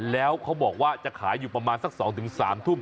แล้วเขาบอกว่าจะขายอยู่ประมาณสัก๒๓ทุ่ม